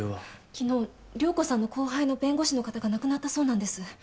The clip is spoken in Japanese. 昨日涼子さんの後輩の弁護士の方が亡くなったそうなんです。